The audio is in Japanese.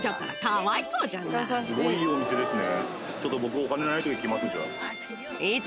すごいいいお店ですね。